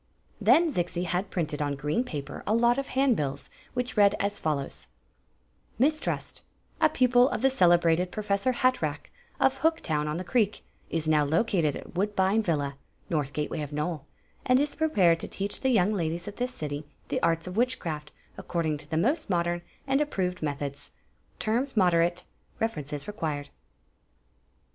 Queen Zixi of Ix; or, the Then Zixi had printed on green paper a lot of handbills which read as follows: Miss Trust, A pupil of the celebrated Professor Hatrack of Hooktown on the Credc, is now located at Woodbine Villa (North Gateway of Note), and is prqMured to teach the 70111^ ladies of this city the Aris of Wikkiraft according to the most modem and approved methods. Terms moderate. References required.